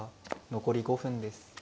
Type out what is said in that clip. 残り５分です。